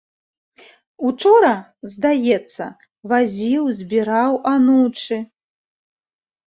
Учора, здаецца, вазіў, збіраў анучы.